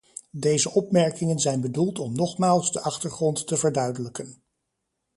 Deze opmerkingen zijn bedoeld om nogmaals de achtergrond te verduidelijken.